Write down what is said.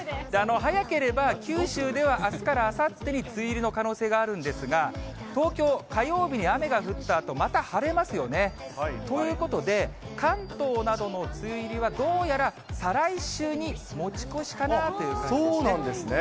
早ければ、九州ではあすからあさってに梅雨入りの可能性があるんですが、東京、火曜日に雨が降ったあと、また晴れますよね。ということで、関東などの梅雨入りは、どうやら再来週に持ち越しかなという感じですね。